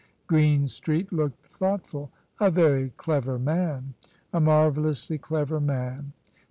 Greenstreet looked thoughtful. " A very clever manl A marvellously clever man!